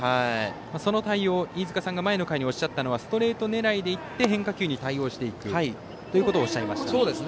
その対応を飯塚さんが前の回でおっしゃったのはストレート狙いでいって変化球に対応していくということおっしゃいました。